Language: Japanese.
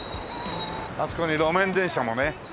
あそこに路面電車もね